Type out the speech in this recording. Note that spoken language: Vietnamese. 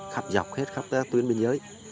khắp dọc hết khắp tuyến biên giới